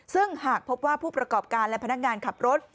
ซึ่งหากพบว่าผู้ประกอบการและพนักงานขับรถ